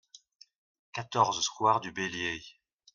quatorze square du Bélier